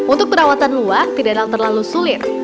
untuk perawatan luak tidak terlalu sulit